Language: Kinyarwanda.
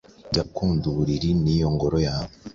Jya ukunda uburiri ni yo ngoro yawe